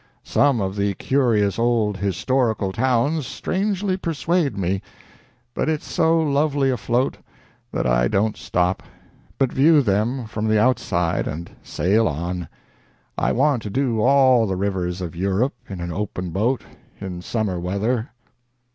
Some of the curious old historical towns strangely persuade me, but it's so lovely afloat that I don't stop, but view them from the outside and sail on. .. I want to do all the rivers of Europe in an open boat in summer weather."